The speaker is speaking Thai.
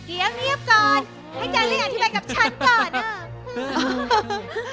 เดี๋ยวเงียบก่อนให้จังเลี่ยงอธิบายกับฉันก่อน